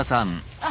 あっ。